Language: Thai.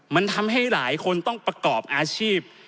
มันทำให้หลายคนต้องประกอบอาชีพ